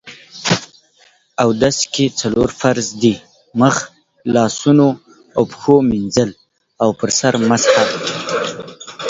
اودس کې څلور فرض دي: مخ، لاسونو او پښو مينځل او په سر مسح